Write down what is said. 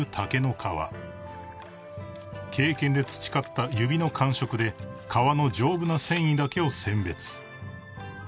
［経験で培った指の感触で皮の丈夫な繊維だけを選別］